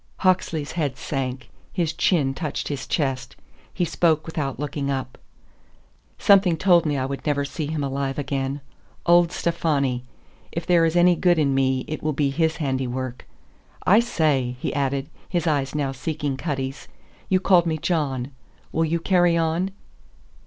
Hawksley's head sank; his chin touched his chest. He spoke without looking up. "Something told me I would never see him alive again. Old Stefani! If there is any good in me it will be his handiwork. I say," he added, his eyes now seeking Cutty's, "you called me John. Will you carry on?"